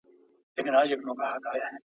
ایجاد د علم له لاري د قومونو ترمنځ اړیکي ښوي.